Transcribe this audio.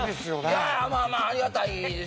いやまあまあありがたいです